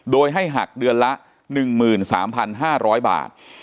โดยให้หักเดือนละ๑๓๕๐๐บาท